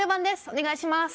お願いします